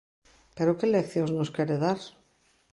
¿Pero que leccións nos quere dar?